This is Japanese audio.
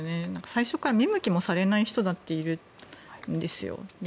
最初から見向きもされない人だっているんですよ。